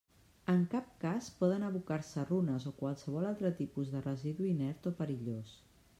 En cap cas poden abocar-se runes o qualsevol altre tipus de residu inert o perillós.